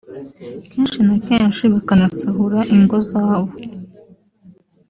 kenshi na kenshi bakanasahura ingo zabo